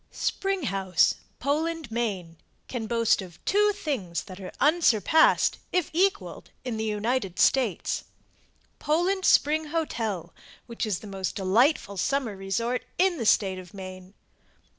] SPRING HOUSE POLAND, MAINE Can boast of two things that are unsurpassed, if equalled, in the United States. Poland Spring Hotel, which is the most delightful summer resort in the State of Maine.